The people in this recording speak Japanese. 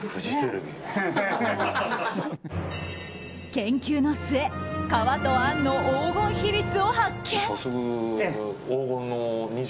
研究の末皮とあんの黄金比率を発見。